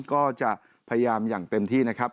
ก็จะพยายามอย่างเต็มที่นะครับ